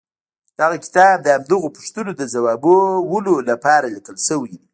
دغه کتاب د همدغو پوښتنو د ځوابولو لپاره ليکل شوی دی.